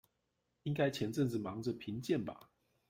應該前陣子忙著評鑑吧